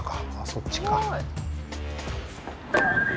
そっちか。